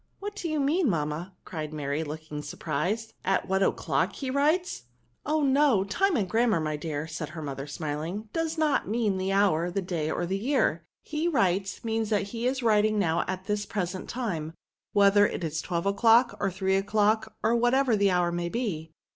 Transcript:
" What do you mean^ mamma? " cried Mary, looking surprised^ '^ at what o'clock he writes r* '^ Oh ! no. Time in grammar^ my dear," said her mother, smiling, ^^ does not mean the hour, the day, or the year. He writes, means that he is writing now at this present time, whether it is twelve o'clock, or three o'clock, or whatever. the hour may be."